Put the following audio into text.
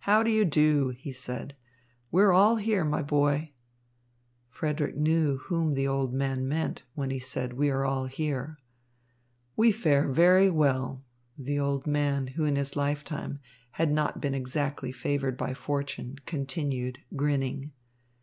"How do you do?" he said. "We are all here, my boy." Frederick knew whom the old man meant when he said, "We are all here." "We fare very well," the old man, who in his lifetime had not been exactly favoured by fortune, continued, grinning.